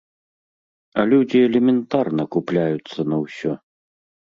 А людзі элементарна купляюцца на ўсё.